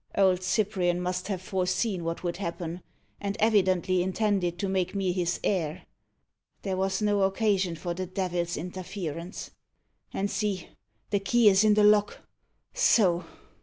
Old Cyprian must have foreseen what would happen, and evidently intended to make me his heir. There was no occasion for the devil's interference. And see, the key is in the lock. So!"